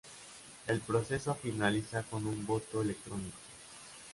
El proceso finaliza con un voto electrónico.